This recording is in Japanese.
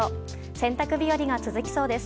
洗濯日和が続きそうです。